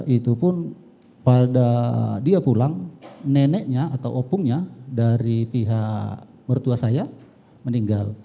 itu pun pada dia pulang neneknya atau opungnya dari pihak mertua saya meninggal